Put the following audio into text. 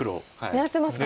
狙ってますか。